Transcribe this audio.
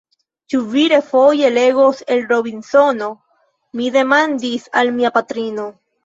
Ĉu vi refoje legos el Robinsono? mi demandis al mia patrino.